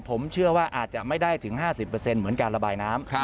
ผมเชื่อว่าอาจจะไม่ได้ถึง๕๐เหมือนการระบายน้ำ